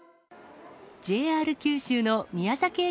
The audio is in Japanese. ＪＲ九州の宮崎駅